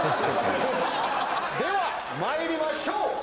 では参りましょう。